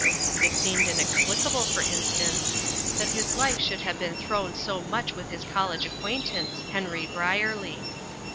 It seemed inexplicable, for instance, that his life should have been thrown so much with his college acquaintance, Henry Brierly.